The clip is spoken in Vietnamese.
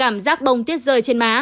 mùi tuyết rơi trên má